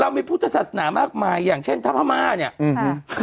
มีพุทธศาสนามากมายอย่างเช่นถ้าพม่าเนี้ยอืม